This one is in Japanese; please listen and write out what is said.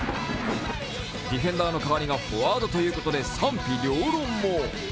ディフェンダーの代わりがフォワードということで賛否両論も。